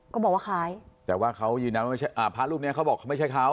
ก็บอกว่าคล้ายแต่ว่าเขายืนยันว่าพระรูปนี้เขาบอกเขาไม่ใช่เขา